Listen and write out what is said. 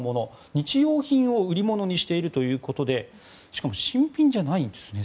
日用品を売り物にしているということでしかも、新品じゃないんですね。